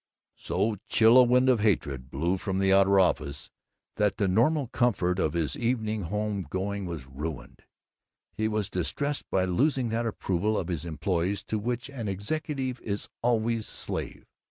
So chill a wind of hatred blew from the outer office that the normal comfort of his evening home going was ruined. He was distressed by losing that approval of his employees to which an executive is always slave.